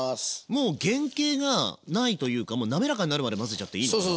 もう原形がないというか滑らかになるまで混ぜちゃっていいのかな？